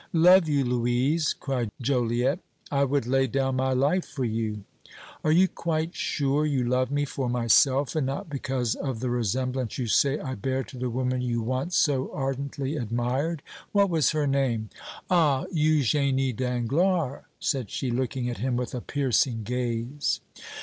"Love you, Louise!" cried Joliette. "I would lay down my life for you!" "Are you quite sure you love me for myself and not because of the resemblance you say I bear to the woman you once so ardently admired? What was her name? ah! Eugénie Danglars!" said she, looking at him with a piercing gaze.